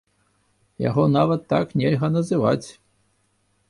Яго нават так нельга называць.